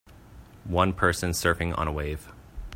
One person surfing on a wave.